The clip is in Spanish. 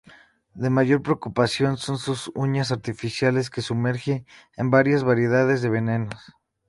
De mayor preocupación son sus uñas artificiales, que sumerge en varias variedades de venenos.